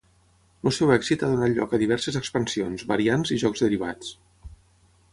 El seu èxit ha donat lloc a diverses expansions, variants i jocs derivats.